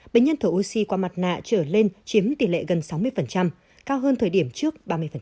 bệnh nhân thở oxy qua mặt nạ trở lên chiếm tỷ lệ gần sáu mươi cao hơn thời điểm trước ba mươi